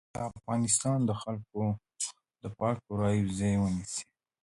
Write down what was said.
د افغانستان د خلکو د پاکو رايو ځای ونيسي.